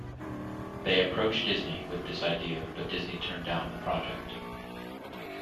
They approached Disney with this idea, but Disney turned down the project.